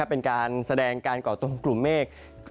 เป็นการแสดงการก่อตัวของกลุ่มเมฆ